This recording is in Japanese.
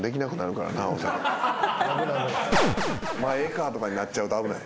まあええかとかになっちゃうと危ない。